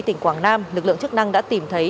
tỉnh quảng nam lực lượng chức năng đã tìm thấy